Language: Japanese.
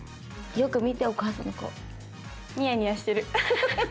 よく見てお母さんの顔。ニヤニヤしてる。